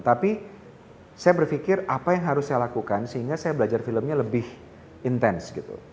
tapi saya berpikir apa yang harus saya lakukan sehingga saya belajar filmnya lebih intens gitu